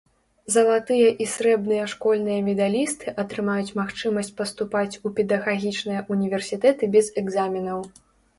Залатыя і срэбныя школьныя медалісты атрымаюць магчымасць паступаць у педагагічныя ўніверсітэты без экзаменаў.